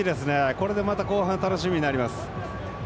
これでまた後半楽しみになります。